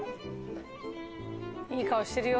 いい顔してるよ